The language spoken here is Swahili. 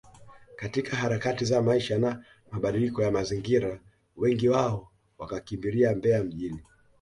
katika harakati za maisha na mabadiliko ya mazingira wengi wao wakakimbilia Mbeya mjini